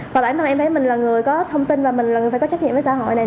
và bản thân em thấy mình là người có thông tin và mình là người phải có trách nhiệm với xã hội này